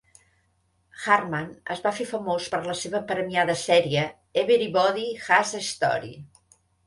Hartman es va fer famós per la seva premiada sèrie "Everybody Has a Story".